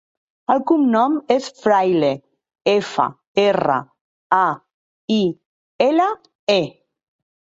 El cognom és Fraile: efa, erra, a, i, ela, e.